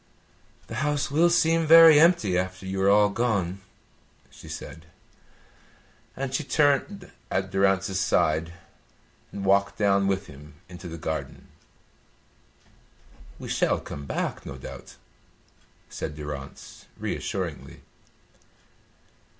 "The house will seem very empty after you are all gone," she said; and she turned at Durrance's side and walked down with him into the garden. "We shall come back, no doubt," said Durrance, reassuringly.